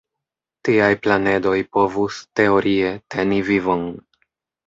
Tiaj planedoj povus, teorie, teni vivon.